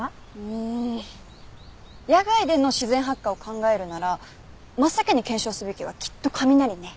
うーん野外での自然発火を考えるなら真っ先に検証すべきはきっと雷ね。